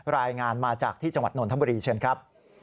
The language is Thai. รายงานมาจากที่จังหวัดนนทบุรีเชิญครับ